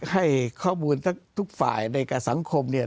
ให้ข้อมูลทุกฝ่ายในการสังคม